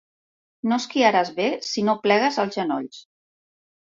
No esquiaràs bé si no plegues els genolls.